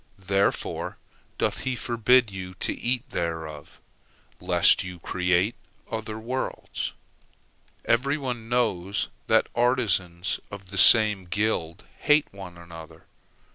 Therefore doth He forbid you to eat thereof, lest you create other worlds. Everyone knows that 'artisans of the same guild hate one another.'